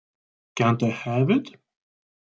Can't I have it?